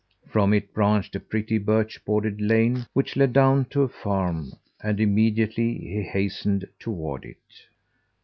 From it branched a pretty birch bordered lane, which led down to a farm, and immediately he hastened toward it.